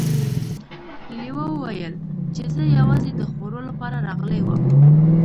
لیوه وویل چې زه یوازې د خوړو لپاره راغلی وم.